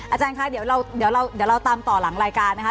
อาจารย์คะเดี๋ยวเราตามต่อหลังรายการนะคะ